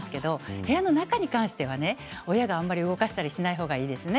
部屋の中に関しては親があまり動かしたりしない方がいいですね。